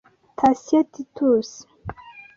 Thacien Titus